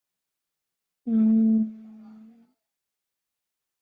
死后追赠正二位。